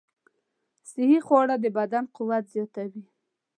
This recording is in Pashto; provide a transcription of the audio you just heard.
صحي خواړه د بدن قوت زیاتوي.